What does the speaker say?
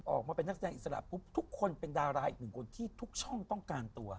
ออกมาเป็นนักแสดงอิสระปุ๊บทุกคนเป็นดาราอีกหนึ่งคนที่ทุกช่องต้องการตัว